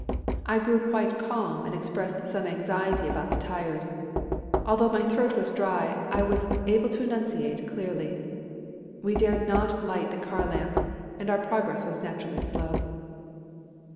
I grew quite calm and expressed some anxiety about the tires. Although my throat was dry, I was able to enunciate clearly! We dared not light the car lamps, and our progress was naturally slow.